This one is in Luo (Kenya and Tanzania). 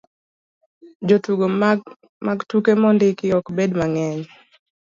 jotugo mag tuke mondiki ok bed mang'eny